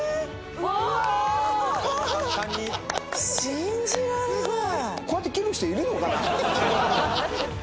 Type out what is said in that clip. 信じられない。